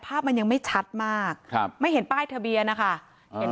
ภาพมันยังไม่ชัดมากครับไม่เห็นป้ายทะเบียนนะคะเห็น